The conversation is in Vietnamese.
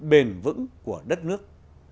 bền vững của đất nước